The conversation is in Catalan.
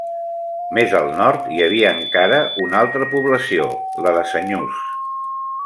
Més al nord hi havia encara una altra població: la de Senyús.